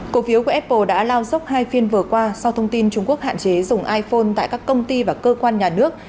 cổ phiếu của apple đã lao dốc hai phiên vừa qua sau thông tin trung quốc hạn chế dùng iphone tại các công ty và cơ quan nhà nước